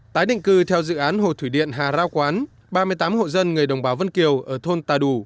tái định cư theo dự án hồ thủy điện hà rao quán ba mươi tám hộ dân người đồng bào vân kiều ở thôn tà đủ